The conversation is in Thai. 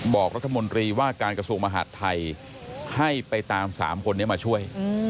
บอกรัฐมนตรีว่าการกระทรวงมหาดไทยให้ไปตาม๓คนนี้มาช่วย